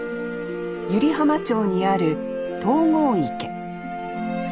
湯梨浜町にある東郷池。